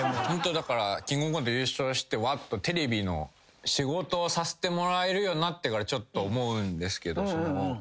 だからキングオブコント優勝してわっとテレビの仕事をさせてもらえるようになってからちょっと思うんですけど。